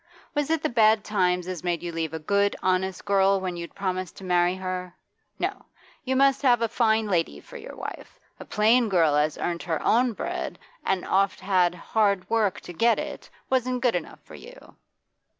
Was it the bad times as made you leave a good, honest girl when you'd promised to marry her? No, you must have a fine lady for your wife; a plain girl as earnt her own bread, an' often had hard work to get it, wasn't good enough for you.